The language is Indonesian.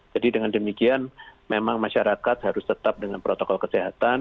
jadi dengan demikian memang masyarakat harus tetap dengan protokol kesehatan